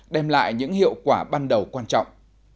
đem lại những hiệu quả ban đầu quan trọng